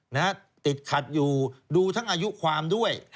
นะฮะติดขัดอยู่ดูทั้งอายุความด้วย